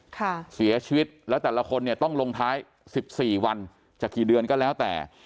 แต่ว่าแต่ละคนต้องลงท้าย๑๔วันจะกี่เดือนก็แล้วแต่